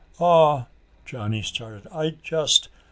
"Aw," Johnny started, "I just...."